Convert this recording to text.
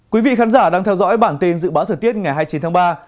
quý vị khán giả đang theo dõi bản tin dự báo thời tiết ngày hai mươi chín tháng ba